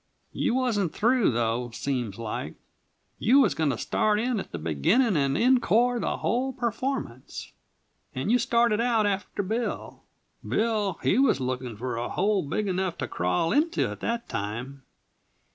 You wasn't through, though, seems like. You was going to start in at the beginning and en core the whole performance, and you started out after Bill. Bill, he was lookin' for a hole big enough to crawl into by that time.